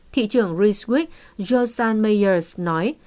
thị trưởng rijswijk josan meyers nói